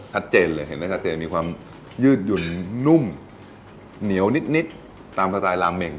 ชัดเจนเลยเห็นได้ชัดเจนมีความยืดหยุ่นนุ่มเหนียวนิดตามสไตล์ราเมง